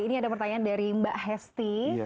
ini ada pertanyaan dari mbak hesti